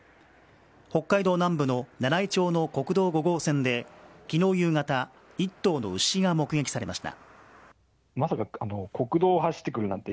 北海道南部の七飯町の国道５号線で昨日夕方１頭の牛が目撃されました。